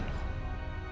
dan kamu malah mencari dia